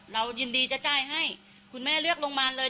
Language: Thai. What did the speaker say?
เรายินดีจะจ่ายให้คุณแม่เลือกโรงพยาบาลเลย